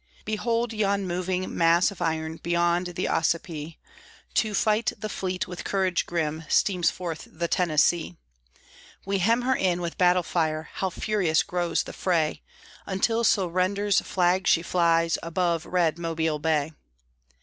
Behold yon moving mass of iron Beyond the Ossipee; To fight the fleet with courage grim Steams forth the Tennessee. We hem her in with battle fire How furious grows the fray, Until Surrender's flag she flies Above red Mobile Bay.